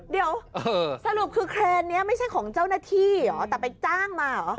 เดี๋ยวสรุปคือเครนนี้ไม่ใช่ของเจ้าหน้าที่เหรอแต่ไปจ้างมาเหรอ